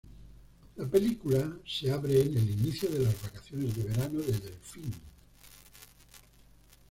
La película se abre en el inicio de las vacaciones de verano de Delphine.